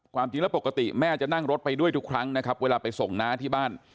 ความจริงแล้วปกติแม่จะนั่งรถไปด้วยทุกครั้งนะครับเวลาไปส่งน้าที่บ้าน